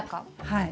はい。